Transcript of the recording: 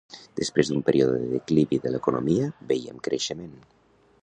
Després d'un període de declivi de l'economia, veiem creixement.